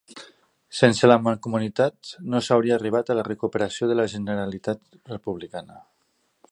Sense la Mancomunitat no s'hauria arribat a la recuperació de la Generalitat republicana.